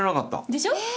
でしょ？